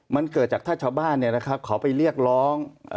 มันเกิดจากถ้าชาวบ้านเขาไปเรียกร้อง